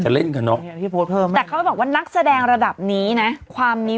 จะเล่นกันเนอะแต่เขาบอกว่านักแสดงระดับนี้นะความมี